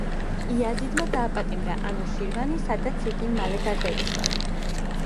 იაზიდმა დააპატიმრა ანუშირვანი, სადაც იგი მალე გარდაიცვალა.